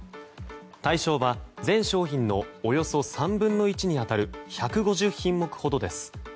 対象は全商品のおよそ３分の１に当たる１５０品目ほどです。